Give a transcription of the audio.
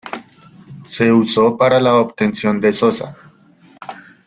Se usó para la obtención de sosa.